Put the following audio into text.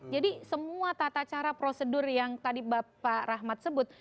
jadi semua tata cara prosedur yang tadi bapak rahmat sebut